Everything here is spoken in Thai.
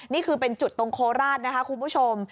นี่คือเป็นจุดตรงโคราชนะคะคุณผู้ชม